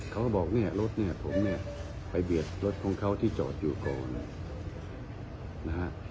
เขาบอกเนี่ยรถเนี่ยผมเนี่ยไปเบียดรถของเขาที่จอดอยู่ก่อนนะฮะ